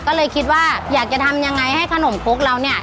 ก็เลยคิดว่าอยากจะทำยังไงให้ขนมครกเราเนี่ย